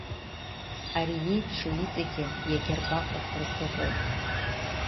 Ари иеиԥшу иҵегьы иагьа ргәаҟрақәа рзыҟоуп!